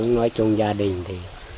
nói chung gia đình thì